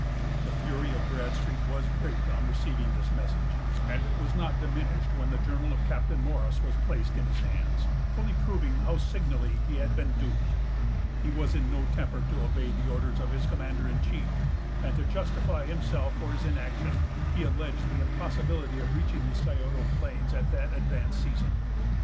The fury of Bradstreet was great on receiving this message; and it was not diminished when the journal of Captain Morris was placed in his hands, fully proving how signally he had been duped. He was in no temper to obey the orders of the commander in chief; and, to justify himself for his inaction, he alleged the impossibility of reaching the Scioto plains at that advanced season.